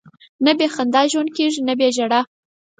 نه بې خندا ژوند کېږي، نه بې ژړا.